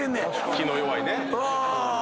気の弱いね。